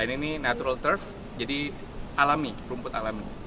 ini natural turf jadi rumput alami